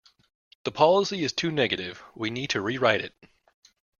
The policy is too negative; we need to rewrite it